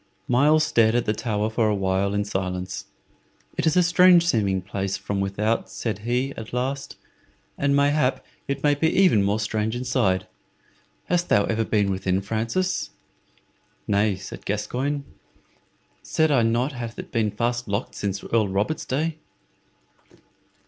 Myles stared at the tower for a while in silence. "It is a strange seeming place from without," said he, at last, "and mayhap it may be even more strange inside. Hast ever been within, Francis?" "Nay," said Gascoyne; "said I not it hath been fast locked since Earl Robert's day?"